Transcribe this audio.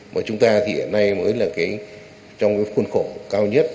mà chúng ta thì hiện nay mới là cái trong cái khuôn khổ cao nhất